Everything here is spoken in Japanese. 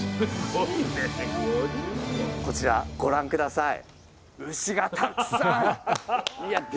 こちらご覧下さい。